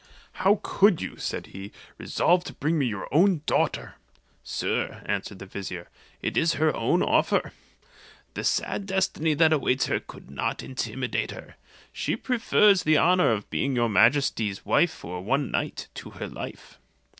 "How could you", said he, "resolve to bring me your own daughter?" "Sir," answered the vizier, "it is her own offer. The sad destiny that awaits her could not intimidate her; she prefers the honour of being your majesty's wile for one night, to her life."